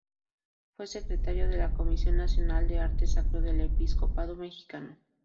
Fue secretario de la Comisión Nacional de Arte Sacro del Episcopado Mexicano.